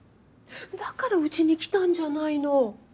だからうちに来たんじゃないの。